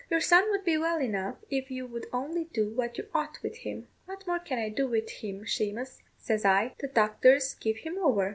Your son would be well enough if you would only do what you ought with him.' 'What more can I do with him, Shamous?' says I; 'the doctors give him over.'